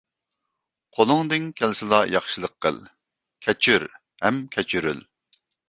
قولۇڭدىن كەلسىلا ياخشىلىق قىل. كەچۈر ھەم كەچۈرۈل.